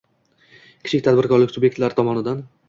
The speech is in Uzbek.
Kichik tadbirkorlik sub’ektlari tomonidan